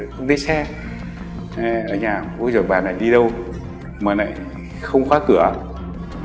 trong tư thế nằm úp tại nhà tắm